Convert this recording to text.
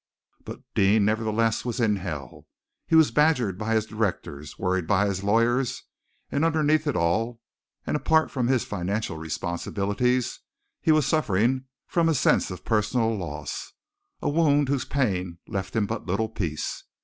But Deane, nevertheless, was in hell! He was badgered by his directors, worried by his lawyers, and underneath it all, and apart from his financial responsibilities, he was suffering from a sense of personal loss, a wound whose pain left him but little peace.